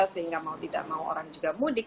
sehingga mau tidak mau orang juga mudik